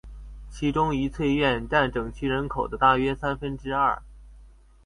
其中愉翠苑占整区人口的大约三分之二。